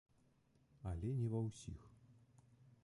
Але не ва ўсіх.